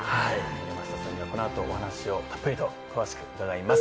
山下さんにはこのあと、お話を詳しくたっぷりと伺います。